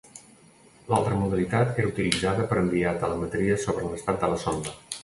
L'altra modalitat era utilitzada per enviar telemetria sobre l'estat de la sonda.